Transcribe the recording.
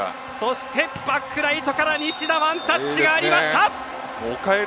バックライトから西田ワンタッチがありました。